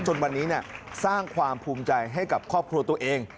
จนวันนี้สร้างความภูมิใจให้กับครอบครัวตัวเอง